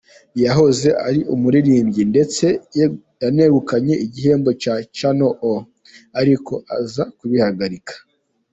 Yahoze ari umuririmbyi ndetse yanegukanye igihembo cya Channel O ariko aza kubihagarika.